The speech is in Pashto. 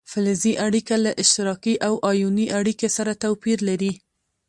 فلزي اړیکه له اشتراکي او ایوني اړیکې سره توپیر لري.